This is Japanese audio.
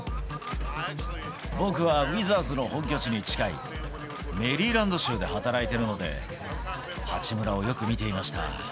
僕はウィザーズの本拠地に近いメリーランド州で働いているので、八村をよく見ていました。